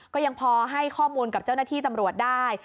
ก็ยังพอให้ข้อมูลกับเจ้าหน้าที่ตำรวจได้